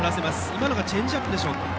今のがチェンジアップでしょうか。